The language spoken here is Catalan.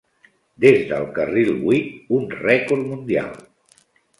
Des del carril huit, un rècord mundial.